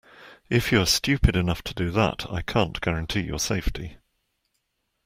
If you are stupid enough to do that, I can't guarantee your safety.